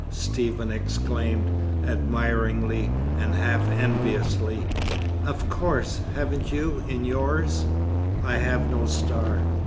Stephen exclaimed, admiringly, and half enviously. "Of course. Haven't you, in yours?" "I have no star."